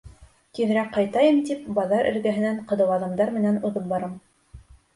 Тиҙерәк ҡайтайым тип, баҙар эргәһенән ҡыҙыу аҙымдар менән уҙып барам.